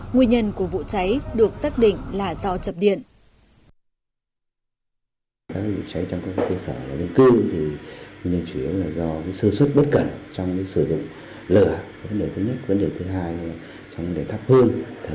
nguyên nhân của vụ cháy được xác định là do chập điện